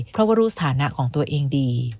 เพราะว่ารู้สถานะของตัวเองดี